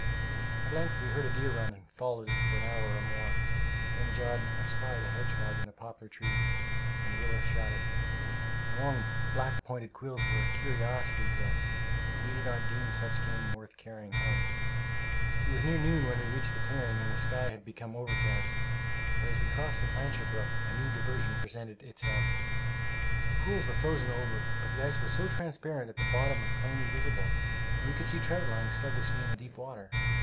At length we heard a deer run, and followed it for an hour or more. Then John espied a hedgehog in a poplar tree, and Willis shot it. The long black pointed quills were a curiosity to us, but we did not deem such game worth carrying home. It was near noon when we reached the clearing, and the sky had become overcast, but as we crossed the Plancher brook a new diversion presented itself. The pools were frozen over, but the ice was so transparent that the bottom was plainly visible, and we could see trout lying sluggishly in the deep water.